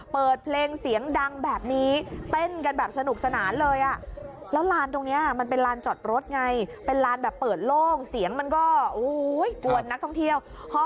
เปิดเพลงเสียงดังแบบนี้เต้นกันแบบสนุกสนานเลยอ่ะ